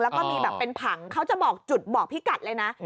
แล้วก็มีแบบเป็นผังเขาจะบอกจุดบอกพี่กัดเลยนะ